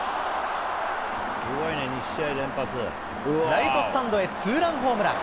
ライトスタンドへツーランホームラン。